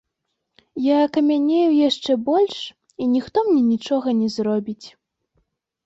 Я акамянею яшчэ больш, і ніхто мне нічога не зробіць.